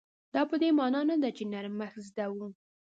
دا په دې مانا نه ده چې نرمښت زده و.